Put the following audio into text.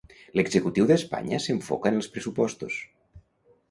L'executiu d'Espanya s'enfoca en els pressupostos.